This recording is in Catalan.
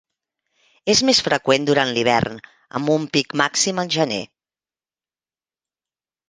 És més freqüent durant l’hivern, amb un pic màxim al gener.